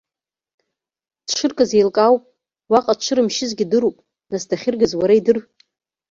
Дшыркыз еилкаауп, уаҟа дшырымшьызгьы дыруп, нас дахьыргаз уара идыр?!